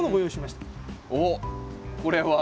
おおこれは？